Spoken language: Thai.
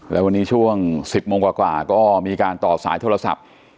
แล้ววันนี้ช่วง๑๐โมงกว่าก็มีการต่อสายโทรศัพท์